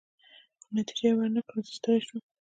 خو نتیجه يې ورنه کړل، زه ستړی شوم.